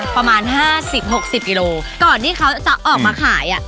ประมาณ๕๐๖๐กิโลความที่เขาจะออกมาขาย